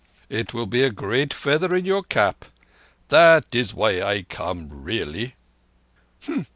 It will be a great feather in your cap. That is why I come really."